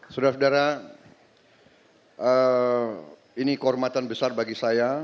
saudara saudara ini kehormatan besar bagi saya